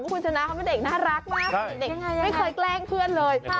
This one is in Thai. คุณชนะเขาเป็นเด็กน่ารักมากเด็กไม่เคยแกล้งเพื่อนเลย